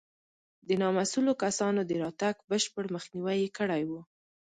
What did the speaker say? د نامسوولو کسانو د راتګ بشپړ مخنیوی یې کړی و.